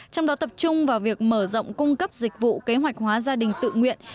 trong đó tập trung vào việc mở rộng cung cấp dịch vụ kế hoạch hóa gia đình tự nguyện